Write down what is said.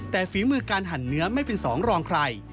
แต่ฝีมือการหั่นเนื้อไม่เป็นสองรองใคร